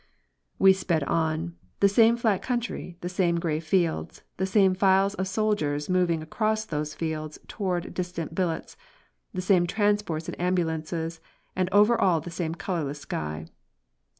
We sped on, the same flat country, the same grey fields, the same files of soldiers moving across those fields toward distant billets, the same transports and ambulances, and over all the same colourless sky.